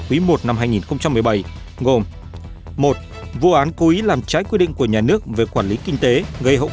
cuối một năm hai nghìn một mươi bảy gồm một vụ án cố ý làm trái quy định của nhà nước về quản lý kinh tế gây hậu